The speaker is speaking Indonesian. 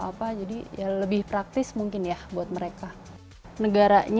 apa jadi ya lebih praktis mungkin ya buat mereka negaranya kalau datangnya ke negara negara lainnya